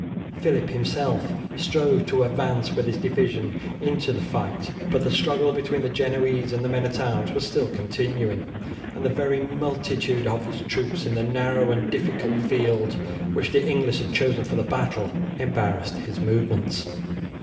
Phillip himself strove to advance with his division into the fight, but the struggle between the Genoese and the men at arms was still continuing, and the very multitude of his troops in the narrow and difficult field which the English had chosen for the battle embarrassed his movements.